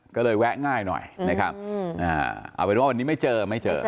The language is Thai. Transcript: ก็เลยแวะง่ายหน่อยนะครับเอาเป็นว่าวันนี้ไม่เจอไม่เจอ